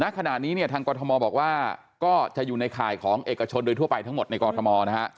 ขณะนี้เนี่ยทางกรทมบอกว่าก็จะอยู่ในข่ายของเอกชนโดยทั่วไปทั้งหมดในกรทมนะฮะ